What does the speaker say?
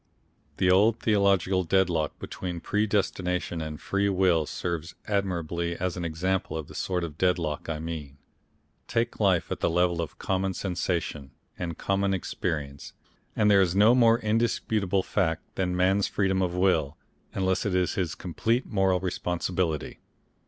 The old theological deadlock between predestination and free will serves admirably as an example of the sort of deadlock I mean. Take life at the level of common sensation and common experience and there is no more indisputable fact than man's freedom of will, unless it is his complete moral responsibility.